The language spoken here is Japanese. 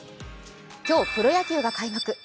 今日、プロ野球が開幕。